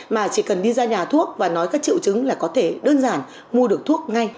mà chỉ cần đi ra nhà thuốc và nói các triệu chứng là có thể đơn giản mua được thuốc ngay